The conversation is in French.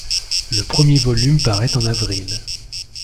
Le premier volume paraît en avril.